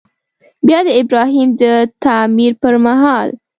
بیا د ابراهیم د تعمیر پر مهال.